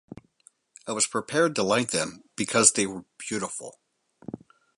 I was prepared to like them because they were beautiful.